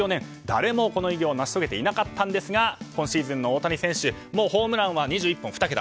誰もこの偉業を成し遂げていなかったんですが今シーズンの大谷選手ホームランは２１本、２桁。